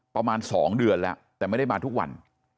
ประมาณ๒เดือนแล้วแต่ไม่ได้มาทุกวัน